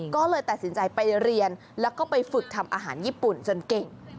ก็เลยตัดสินใจไปเรียนแล้วก็ไปฝึกทำอาหารญี่ปุ่นจนเก่ง